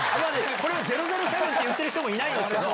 これを００７って言ってる人もいないですけど。